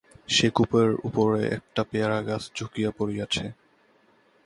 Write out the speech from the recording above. সে কূপের উপরে একটা পেয়ারা গাছ ঝুঁকিয়া পড়িয়াছে।